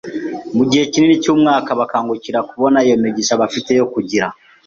mu gihe kinini cy’umwaka, bakangukira kubona iyo migisha bafite yo kugira